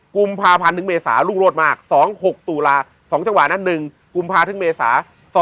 กุมภาพันห์ถึงเมษา